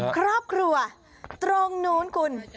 ครอบครัวตรงนู้นคุณ